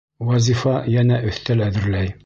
Вазифа йәнә өҫтәл әҙерләй.